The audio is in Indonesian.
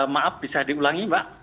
maaf bisa diulangi mbak